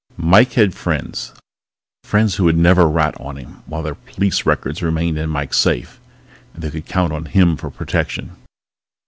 Mike had friends friends who would never rat on him while their police records remained in Mike's safe and they could count on him for protection.